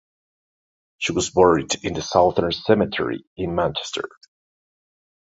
She was buried in the Southern Cemetery in Manchester.